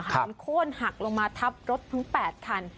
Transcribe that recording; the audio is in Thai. โค้นหักลงมาทับรถทั้ง๘คัน